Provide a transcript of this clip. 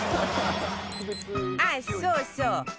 あっそうそう！